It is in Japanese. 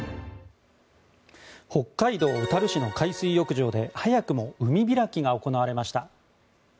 北海道小樽市の海水浴場で早くも海開きが行われました。